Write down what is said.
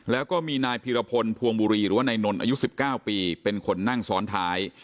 แล้วก็มีนายพีรพลพวงบุรีหรือว่านายนนท์อายุ๑๙ปีเป็นคนนั่งซ้อนท้าย